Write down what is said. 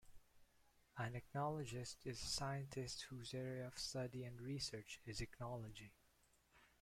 An ichnologist is a scientist whose area of study and research is ichnology.